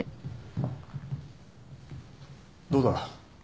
どうだ？